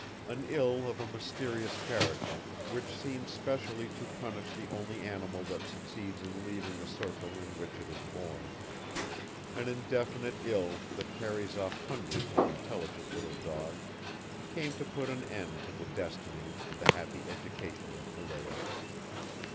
An ill of a mysterious character, which seems specially to punish the only animal that succeeds in leaving the circle in which it is born; an indefinite ill that carries off hundreds of intelligent little dogs, came to put an end to the destiny and the happy education of Pelléas.